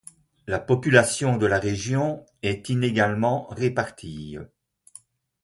La population de la région est inégalement répartie.